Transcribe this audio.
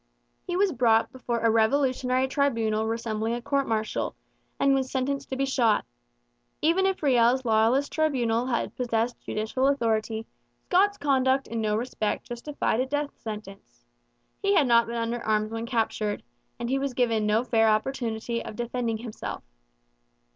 He was brought before a revolutionary tribunal resembling a court martial, and was sentenced to be shot. Even if Riel's lawless tribunal had possessed judicial authority, Scott's conduct in no respect justified a death sentence. He had not been under arms when captured, and he was given no fair opportunity of defending himself.